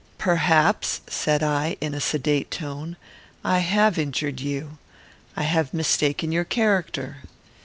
"Perhaps," said I, in a sedate tone, "I have injured you; I have mistaken your character.